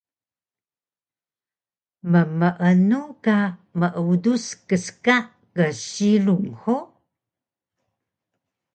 Mmeenu ka meudus kska gsilung hug?